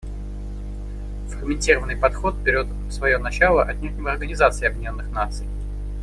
Фрагментированный подход берет свое начало отнюдь не в Организации Объединенных Наций.